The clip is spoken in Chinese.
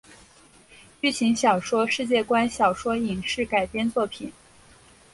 剧情小说世界观小说影视改编作品